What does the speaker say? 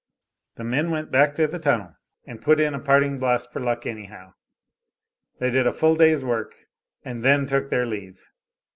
The men went back to the tunnel and "put in a parting blast for luck" anyhow. They did a full day's work and then took their leave.